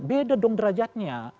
beda dong derajatnya